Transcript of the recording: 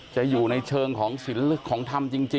จะอยู่ในเชิงของศิลปของธรรมจริง